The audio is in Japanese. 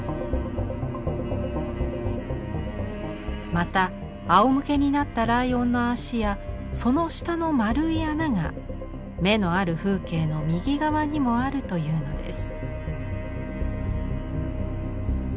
またあおむけになったライオンの足やその下のまるい穴が「眼のある風景」の右側にもあるというのです。